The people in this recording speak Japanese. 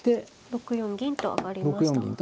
６四銀と上がりました。